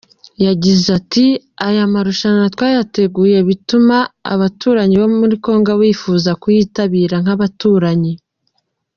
Yagize ati “Aya marushanwa twayateguye bituma abaturanyi bo muri Congo bifuza kuyitabira nk’abaturanyi.